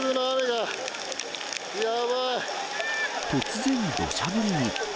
突然、どしゃ降りに。